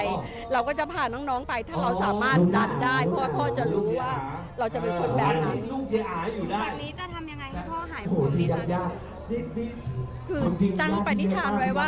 ค่ะค่ะค่ะค่ะค่ะค่ะค่ะค่ะค่ะค่ะค่ะค่ะค่ะค่ะค่ะค่ะค่ะ